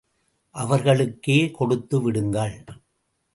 அவர்களுக்கே கொடுத்து விடுங்கள்.